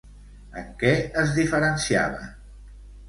En què es diferenciaven?